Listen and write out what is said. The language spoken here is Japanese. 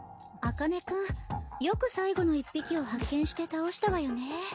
茜君よく最後の１匹を発見して倒したわよね。